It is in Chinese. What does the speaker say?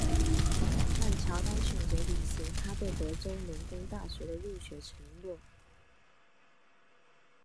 但乔丹选择履行他对德州农工大学的入学承诺。